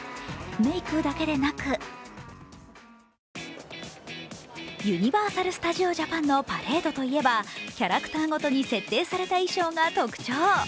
メークだけでなく、ユニバーサル・スタジオ・ジャパンのパレードといえば、キャラクターごとに設定された衣装が特徴。